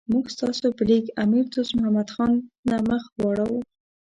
موږ ستاسو په لیک امیر دوست محمد خان نه مخ واړاو.